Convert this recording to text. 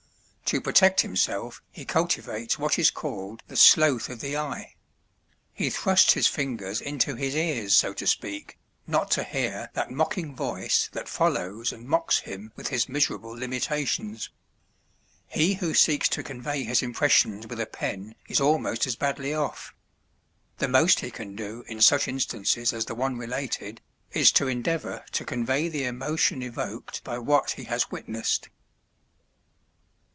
To protect himself he cultivates what is called the "sloth of the eye": he thrusts his fingers into his ears so to speak, not to hear that mocking voice that follows and mocks him with his miserable limitations. He who seeks to convey his impressions with a pen is almost as badly off: the most he can do in such instances as the one related, is to endeavour to convey the emotion evoked by what he has witnessed.